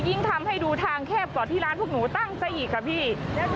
ยิ่งทำให้ดูทางแคบกว่าที่ร้านพวกหนูตั้งซะอีกค่ะพี่